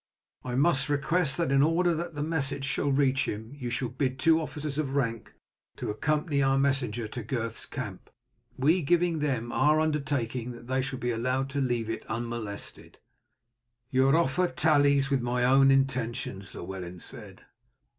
I must request that in order the message shall reach him you shall bid two officers of rank accompany our messenger to Gurth's camp; we giving them our undertaking that they shall be allowed to leave it unmolested." "Your offer tallies with my own intentions," Llewellyn said.